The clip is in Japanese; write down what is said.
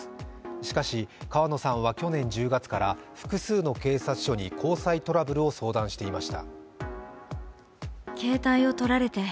しかし、川野さんは去年１０月から複数の警察署に交際トラブルを相談していました。